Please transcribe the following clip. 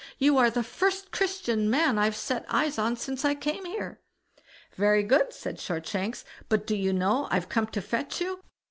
you are the first Christian man I've set eyes on since I came here." "Very good", said Shortshanks; "but do you know I've come to fetch you?"